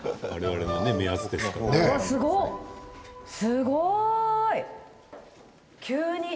すごーい！